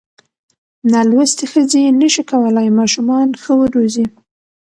نالوستې ښځې نشي کولای ماشومان ښه وروزي.